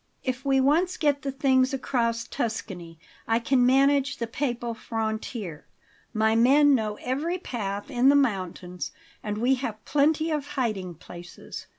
If we once get the things across Tuscany, I can manage the Papal frontier; my men know every path in the mountains, and we have plenty of hiding places.